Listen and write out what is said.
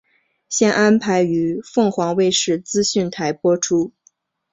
现安排于凤凰卫视资讯台播出。